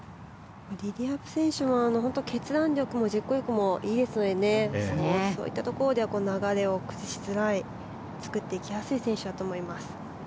リリア・ブ選手も本当に決断力も実行力もいいですのでそういったところで流れを崩しづらい作っていきやすい選手だと思います。